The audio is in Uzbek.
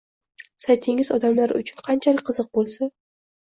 Saytingiz odamlar uchun qanchalik qiziq bo’lsa